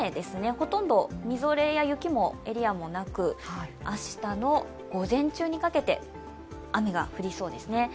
ほとんどみぞれや雪のエリアもなく明日の午前中にかけて雨が降りそうです。